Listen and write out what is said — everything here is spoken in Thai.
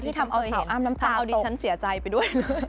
ที่ทำดิฉันเสียใจไปด้วย